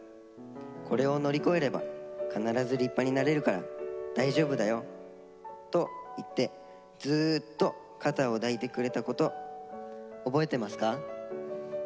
これを乗り越えれば必ず立派になれるから大丈夫だよ』と言ってずっと肩を抱いてくれたこと覚えてますか？